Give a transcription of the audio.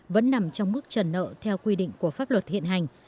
vẫn nằm trong mức trần nợ theo quy định của pháp luật hiện hành